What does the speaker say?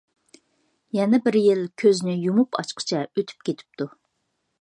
يەنە بىر يىل كۆزنى يۇمۇپ ئاچقۇچە ئۆتۈپ كېتىپتۇ.